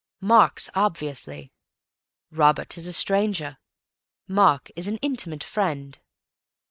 Mark's, obviously. Robert is a stranger; Mark is an intimate friend.